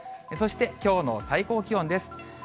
そしてきょうの最高気温です。